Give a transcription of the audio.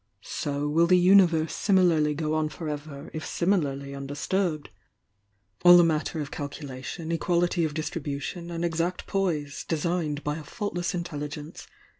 So will the Universe similarly go on for ever, if similarly undisturbed. All a mat ter of calculation, equality of distribution and exact poise — designed by a faultless Intelligence!